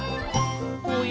「おや？